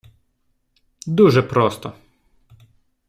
Дуже просто!